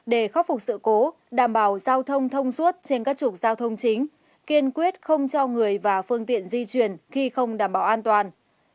để khắc phục sự cố đảm bảo giao thông thông suốt trên các trục giao thông chính kiên quyết không cho người và phương tiện di chuyển khi không đảm bảo an toàn